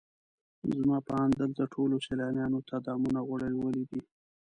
زما په اند دلته ټولو سیلانیانو ته دامونه غوړولي دي.